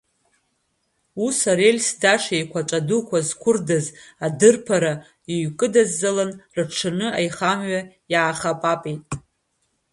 Ус, арельс даш еиқәаҵәа дукәа зқәырдаз адырԥара иҩкыдыззалан, рыҽшаны аихамҩа иаахапапеит.